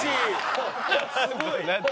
すごいし！